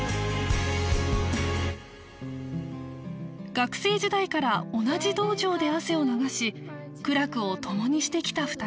学生時代から同じ道場で汗を流し苦楽を共にしてきた２人